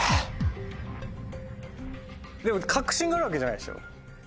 でも確信があるわけじゃないでしょ？